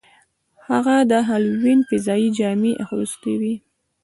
هغه د هالووین فضايي جامې اغوستې وې